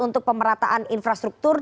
untuk pemerataan infrastruktur